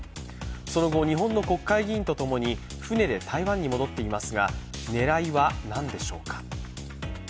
その後、日本の国会議員と共に船で台湾に戻っていますが狙いは何でしょうか？